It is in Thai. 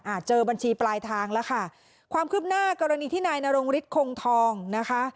เจอบัญชีปลายทางแล้วค่ะความคืบหน้ากรณีที่นายนรงฤทธิคงทองนะคะ